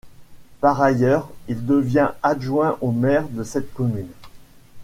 Par ailleurs, il devient adjoint au maire de cette commune.